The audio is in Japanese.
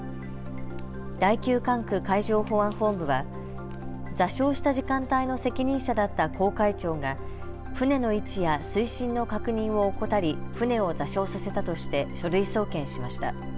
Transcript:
第９管区海上保安本部は座礁した時間帯の責任者だった航海長が船の位置や水深の確認を怠り、船を座礁させたとして書類送検しました。